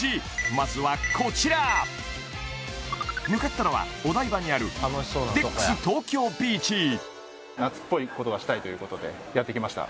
まずはこちら向かったのはお台場にあるということでやってきました